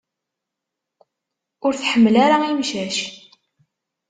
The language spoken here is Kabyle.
Ur tḥemmel ara imcac.